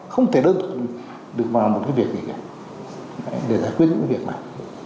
không thể đơn thuộc được vào một cái việc này để giải quyết những cái việc này